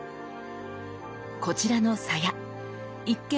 こちらの鞘一見